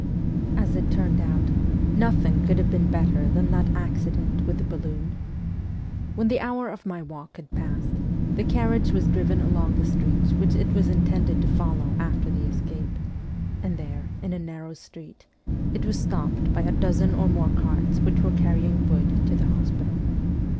As it turned out, nothing could have been better than that accident with the balloon. When the hour of my walk had passed, the carriage was driven along the streets which it was intended to follow after the escape ; and there, in a narrow street, it was stopped by a dozen or more carts which were carrying wood to the hospital.